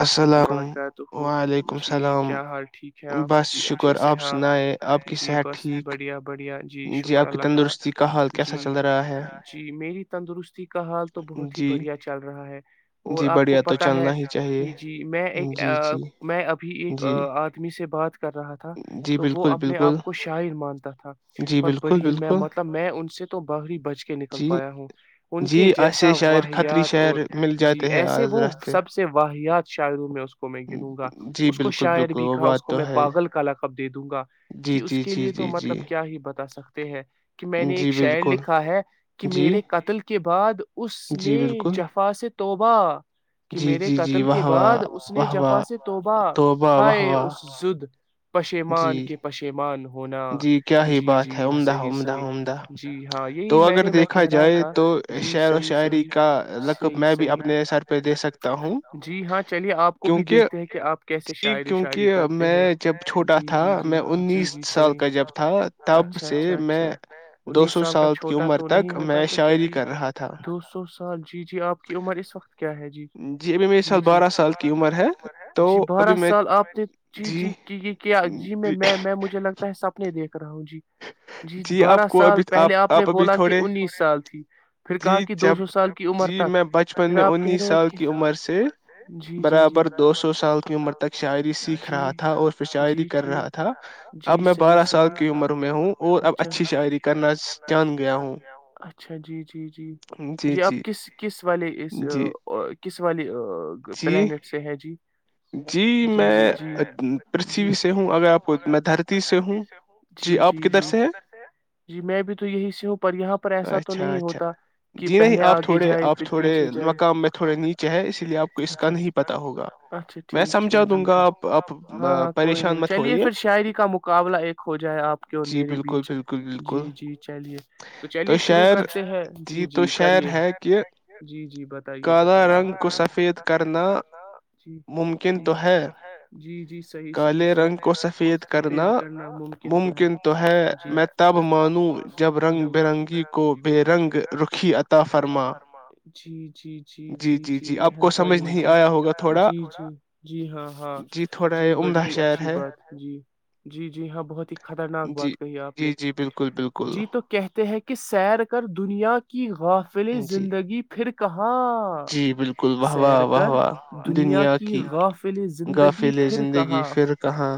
و رحمۃ اللہ ورکاتہ جی کیا حال ٹھیک ہے آپ جی اچھے سے ہیں آپ جی بس بڑھیا بڑھیا جی شکر اللہ کا جی جی میری تندرستی کا حال تو بہت ہی بڑھیا چل رہا ہے اور آپ کو پت ہے کہ جی میں ایک میں ابھی ایک آدمی سے بات کر رہا تھا تو وہ اپنے آپ کو شااہر مانتا تھا پر بڑی ہی میں مطلب میں ان سے تو باہری بج کے نکل پایا ہوں ان کے جیسا واحیات اور جی ایسے وہ سب سے واحیات شاعروں میں اس کو میں گنوں گا اس کو شاعر بھی کہا اس کو میں پاگل کا لقب دے دوں گا جی اس کے لیے تو مطلب کیا ہی بتا سکتے ہیں کہ میں نے ایک شعر لکھا ہے کہ میرے قتل کے بعد اس نے جفاس توبا جی جی جی قتل کے بعد اس نے جفا سے توبا ہائے اس د ہچ [unintelligible] پشیمان کے پشیمان ہو جی کیا ہی بات ہے عمدہ عمدہ عمدہ تو اگر دیکھا جائے تو شعر و شاعری کا لقب میں بھی اپنے سر پہ دے سکتا ہوں جی ہاں چلیے آپ کو بھی دیکھتے ہیں کہ آپ کیسے شاعری و شاعری کرتے ہیں جی جی جی جی جی ح اچھا اچھا اچھا انیس سال کا چھوٹا تو نہیں ہوتا تو چلیے دو سو سال جی جی آپ کی عمر اس وقت کیا ہے جی ابھی میں ج جی بہ جی بارہ سال آپ نے جی جی یہ کیا جی میں میں مجھے لگتا ہے سپنے دیکھ رہا ہوں جی بارہ سال پہلے آپ نے بولا کہ انیس سال تھی پھر کہا کہ دو سو سال کی عمر تک پھر آپ کہہ رہے ہو کہ عمر سے جی جی جی برابر دو سو سال کی عمر تک جیا جی ٹھیک رہا تھا جی صحیح صحیح میں ہوں اور اب اچھی شاعری کرنا جان گیا ہوں جی جی والے اس کسی وال پلانٹ سے ہیں جی جی جی جی جی سے ہ جی جی جی جی میں بھی تو یہی سے ہوں پر یہاں پر ایسا تو نہیں ہوتا کہ پہلے آگے جائے پھر پیچھے جائے چ ہے اسی لیے آپ کو اس کا نہیں پتتا ہوگا اچھا ٹھیک ٹھیک جی جی ہاں ہاں کوئی نہیں چلیے پھر شاعری کا مقابلہ ایک ہو جائے آپ کے اور میرے بیچ جی جی چلیے تو چلیے شروع کرتے ہے جی جی کرے جی جی بتائیے ب رنگ کو سفید کرنا ممکن تو ہے کالے رنگ کو سفید کرنا ممکن تو ہے میں تب مانوں جب رنگ برنگی کو بے رنگ رکھی عط فرما جی جی آپ کو سمجھ نہیں آیا ہوگا تو جی جی جی ہاں ہاں جی بڑی اچھی بات جی جی جی ہاں بہت ہی خطرناک بات کہی آپ نے جی تو کہتے ہیں کہ سیر کر دنیا کی غافل زندگی پھر پ کہاں جی بالکل واہ واہ واہ واہ دنیا کی گافل زندگی پھر کہاں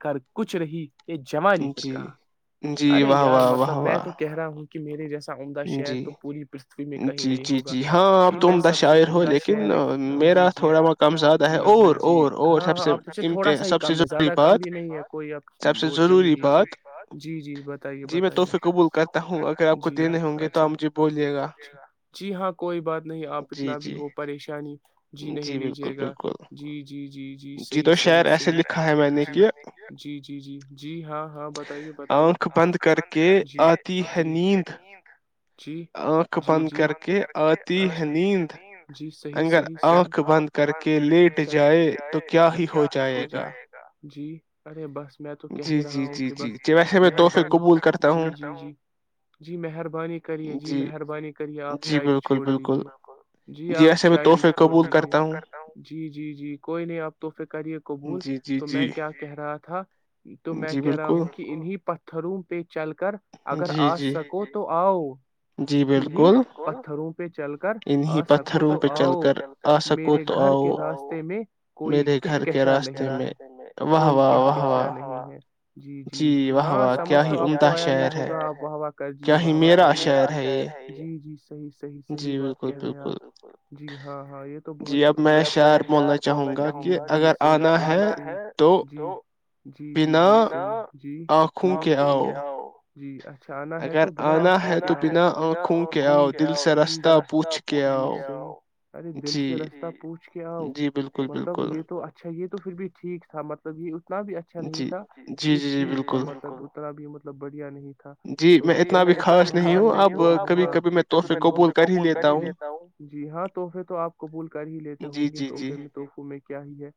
کر کچھ رہی یہ جمع نہیں کرھر کہا ارے یار مطلب میں تو کہہ رہا ہوں میرے جیسے عدہ شہر تو پوری پرتھوی میں کہیں نہیں ہوگا میں سب سے عمدہ شہر ج جی جی جی ہاں ہاں آپ سے تھوڑا سا ہی کم ہے زیادہ کام بھی نہیں ہے کوئی آپ لیے جی جی بتائیے بتائیے جی اچھا جی ہاں کوئی بات نہیں آپ جتنا بھی ہو پریشان ع جی نہیں لیجیے گا جی جی جی جی صحیح صحیححیح ج جی جی جی جی ہاں ہاں بتائیے بتائیے آنکھ بند کر جی جی نیند آنکھ بند کر کے آتی ہےنی نم جی اگر آنکھ بند کر کے لیٹ جائے تو کیا ہی ہو جائے گا جی ارے بس میں تو کہہ ہی رہا ہوں کہ بس مہربانی جی جی جی جی مہربانی کریے جی مہربانی کریے آپ شاعری چھوڑ دیجیے جی آپ شاید چھو جی جی جی کوئی نہیں آپ توفکرے قبول تو میں کیا کہہ رہا تھا تو میں کہہ رہا ہوں کہ انہیں پتھروں پہ چل کر اگر آ سکو تو آؤ انیں پتھروں پہ چل کر آ سکو تو آؤ میرے گھر کے راستے میں کوئی کہکشا نہیں ہے کوئی کہکشا نہیں ہے جی جی جی ہاں سمجھ تو آپ کو آیا نہیں ہوگا آپ ووا کرجیے ووا کرنی جی جی صحیحیحیح بات ے آپ جی ہاں ہاں یہ تو بہت ہی عمد میں شولنا چاہوں گا ج آنا ہے جی جی جی جی جی نہ کھوم گ آؤ جی اچھا چھانا ہے تو بنا کھانا ہے تو بنا گھوم گ دل طر جی ارے دل سے رستہ پوچھ کے آؤ مطلب یہ تو اچھا یہ تو پھر بھی ٹھیک ج تھا مطلب کہ اتنا بھی اچھا نہیں تھا یہ ٹھیک تھا مطلب اتنا بھی مطلب بڑھیا نہیں تھا تو خا ہی لیتا ہوں جی ہاں تحفے تو آپ قبول کر ہی لیتے ہوں گے تحفے میں تو میں کیا ہی ہے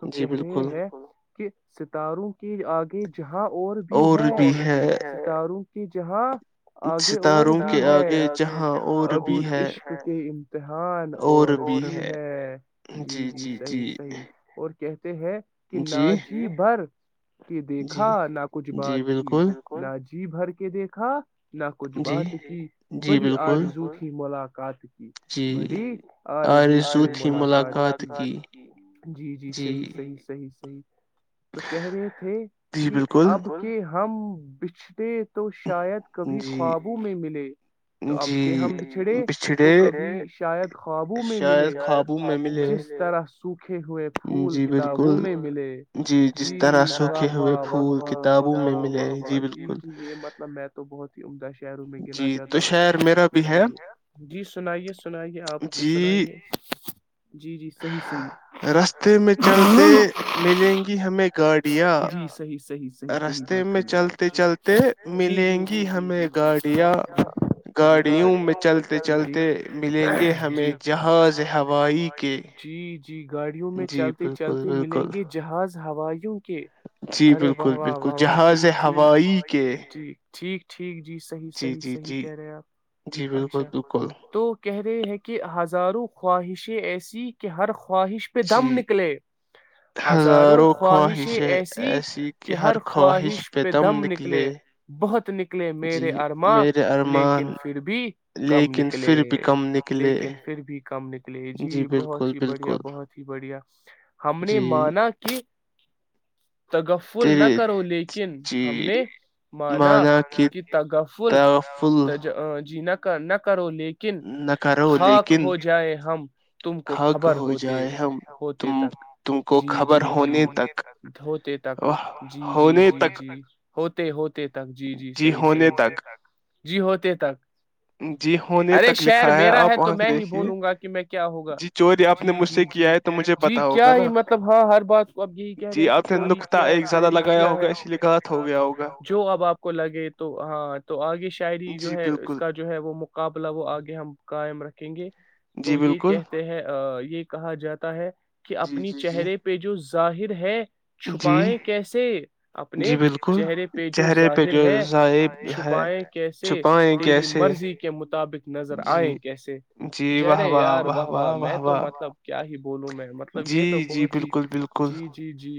تو کہ رہی ہے کہ ستاروں کے آگے جہاں اور بھی ہے س داروں کی ج ہاں ستاروں کے آگے جہاں اور بھی ہے عشق کے امتحان اور بی ہے جی جی صحیح صحیح اور ہیں کہ نہ جی بھر کی دیکھا نہ کچھ بات کی نہ جی جی بھر کے دیکھا نہ کچھ بات کی بڑی آرزو ملاق کا س بڑی آ رو ملاقات جی جی صحیح صحیح صحیح صحیح تو کہہ رہے تھے کہ اب کے ہم بچھڑے تو شاید کبھی خوابوں میں ملے جی تو کبھی شاید خوابو میں ملے جس طرح رکھے ہوئے پھول کتابوں میں ملے جیاہاہاہاہ جی مج یہ مطلب میں تو بہت ہی عمدہ شہروں میں گنا جیادہ جی سنائیے سنائیے آپ بھی سنائیے جی جی صحیح صحیح رستے میں چلتے ملیں گی ہمیں گاڑیاں صحیح صحیح بات کر رہ جی جی جی جی ج ج گاڑی ہ ملیں گے ہمیں جہاز ہوائی کے جی گاڑیوں میں چلتے چلتے ملیں گے جہاز ہواائیوں ارے واہ واہ واہ واہ ٹھیک ٹھیک ج ٹھیک ٹھیک جی صحیح صحیح سحیح کہہ رہے آپ جی بالکل تو کہہ رہے ہیں کہ حض ہزارو خواہشیں ایسی کہ ہر خواہش پہ دم نکلے ہزاروں خواہشیں ایسی کہ ہر خواہش پہ دم نکلے [unintelligible] نکلے میرے ارماں لیکن پھر بھی کم نکلے لیکن پھر بھی کم نکلے جی بہت ہی بڑھیا بہت ہی بڑھیا ہم نے مانا کہ تغفل نہ کرو لیکن ہم نے مانا کہ تغفل جینا نہ کرولی لیکن خاک ہو جائے ہم تم کو خبر ہوتے ہوتے تک جی جی جی دھتے تک جی جی جی جی ہوتے ہو تک جی جی صحیح صحیحی جی ہوتے تک ارے شر میرا ہے تو میں ہی بولوں گا کہ میں کیا ہوگا جی جی جی جی کیا ہی مطلب ہاں ہر بات کو اب یہی کہہ رہے ہیں کہ چور کیا ہے چوری کیا ہے جو اب آپ کو لگے تو ہاں تو آگے شاعری جو ہے ہے وہ مقابلہ وہ آگے ہم قائم رکھیں گے تو یہ کہتے ہیں یہ کہا جاتا ہے کہ اپنی چہرے پہ جو ظاہر ہے چھپائیں کیسے اپنے چہہرے پہ جو ظاہر ہے چھپائائےیں کیسے ری مرضی کے مطابق نظر آئے کیسے جرے یار واہ واہ میں تو مطلب کیا اہ بولوں میں مطلب یہ تو بہت ہی جی جی جی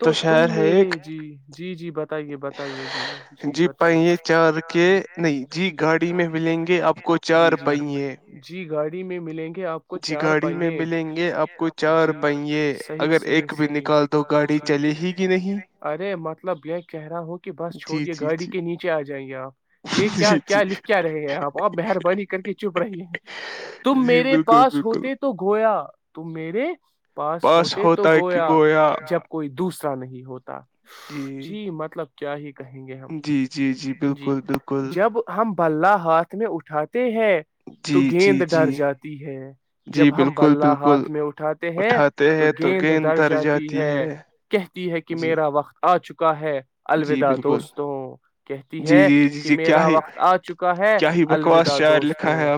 تو تم میرے جی جی جی بتائیے بتائیے جی جی بتائیے جی گاڑی میں ملیں گے آپ کو چار پہی ہیں گاڑی میں ملیں گی آپ کو چارپیے ملیں گےحیححیححیح نال دو گ ارے مطلب یہ کہہ رہا ہو کہ بس چھوڑیے گاڑی کے نیچے آ جائیں گے آپ کیا کیا لکھ کیا رہے ہیں آپ ا مہربانی کر کے چپ رہی ہیں تم میرے ہوتے تو گویا تو میرے پاس ہوتے تو گویا جب کوئی دوسرا ا نہیں ہوتا جی مطلب کیااہ جی جی جی بالکل بالکل جب ہم پلہ ہاتھ میں اٹھاتا ہے تو گیند ڈر جاتی ہے جب ہم بلہ ہاتھ میں اٹھاتے ہیں تو گیند ڈر جاتی ہے کہتی ہے کہ میرا وقت آ چکا کا ہے الوداع دوستوں کہتی ہے کہ میرا وقت آ چکا ہے الوداع دوستوں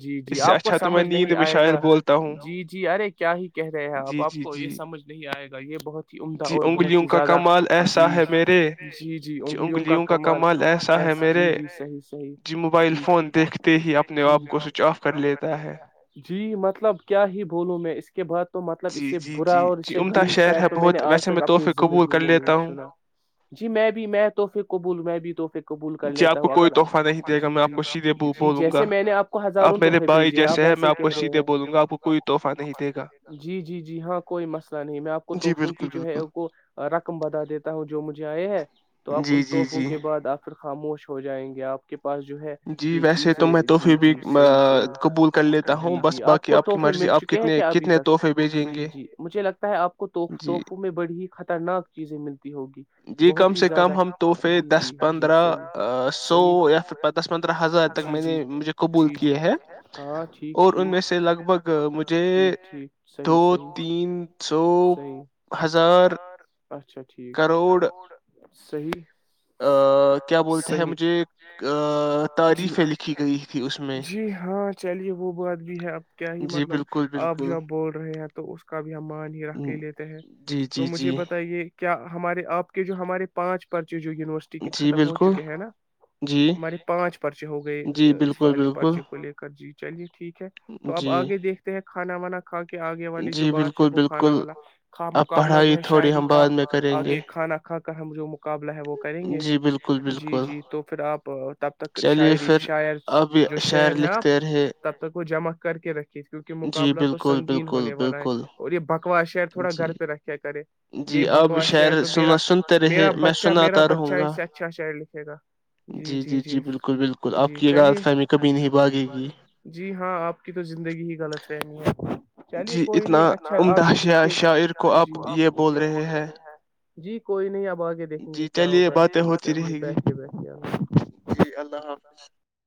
جی جی آپ کو سمجھ نہیں آئے گا جی جی ارے کیا ہی کہہ رہے ہیں آپ آپ کو یہ سمجھ نہیں آئے گا یہ بہت ہی عمدہ اور بہت ہی زیادہ جی جی جی انگلیوں کا کمال کمال س جی جی صحیح صحیح موبل فون دیکھتے ہی آپ کوتا جی مطلب کیا ہی بولوں میں اس کے بعد تو مطلب اس سے برا اور اس سے گلی شہر تو میں نے آج تک اپنی زندگی میں نہیں سنا جی میں بھی میں تحفے قبول میں بھی تحفے قبول کر لیتا ہوں اگر جی جی جی جیسے میں نے آپ کو ہزاروں تحفے بھیجے ہیں آپ ویسے کہہ رہے ہیں جی جی جی ہاں کوئی مسئلہ نہیں میں آپ کو تحفوں کی جو ہے رقم بتا دیتا ہوں جو مجھے آئے ہیں تو آپ ان تحفوں کے بعد خاموش ہو جائیں گے آپ کے پاس جو ہے یہ چیزیں جی جی صحیح صحیح جی جی آپ کو تحفے مل چکے ہیں کیا ابھی تک جی جی مجھے لگتا ہے آپ کو تحف میں بڑی ہی خرناک چیزیں ملتی ہوگی بہت ہی زیادہ جی جی جی سو یا پھر دس پندرہ ہزار تک میں نے مجھے قبول کیے ہیں اور ان میں سے لگ بھگ مجھے دو تین سو ہزار اچھا ٹھیکوڑ صحیح [unintelligible] ہ [unintelligible] صیح جی جی ہاں چلیے وہ بات بھی ہے اب کیا ہی مطلب آپ ج بول رہے ہیں تو اس کا بھی ہم مان ہی رکھ کے لیتے ہیں تو مجھے بتائیے [unintelligible] کیا ہمارے آپ کے جو ہمارے پانچ پرچے جو یونیورسٹی [unintelligible] ختم ہو چکے ہیں نا ہمارے پانچ پرچے ہو گئے اسے پرچے کو لے کر جی چلیے ٹھیک ہے تو اب آگے دیکھتے ہیں کھانا منا [unintelligible] کھا کے آگے والی جو بات ہے وہ کھانا والا کا مقابلہ جو ہے شاعری کا آگے کھانا کھا کر ہم جو مقابلہ ہے وہ کریں گے [unintelligible] جی جی تو پھر آپ تب تک شاعری شاعر جو شعر ہے آپ تب تک وہ جمع کر کے رکھیے کیونکہ مقابلہ تو سنگین والا ہے اور یہ باقی [unintelligible] اکوا شر تھوڑا گھر پہ رکھیا کرے [unintelligible] جی آپ شر سنا سنتے رہے میں سناتا رہوں گا اچھا شہر لکھے گا جی جی جی جی چلیے جی ہاں آپ کی تو زندگی ہی غلط فہمی ہے چلیے کوئی نہیں اچھا آگے دیکھے گا جی آپ بول رہے ہیں جی کوئی نہیں اب آگے دیکھیں گے کیا ہوگا [unintelligible] رہے گی جی اللہ حافظ [unintelligible]